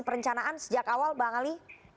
perencanaan sejak awal bang ali